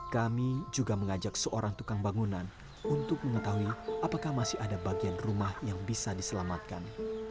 kami juga mengajak seorang tukang bangunan untuk mengetahui apakah masih ada bagian rumah yang bisa diselamatkan